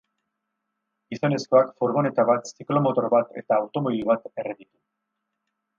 Gizonezkoak furgoneta bat, ziklomotor bat eta automobil bat erre ditu.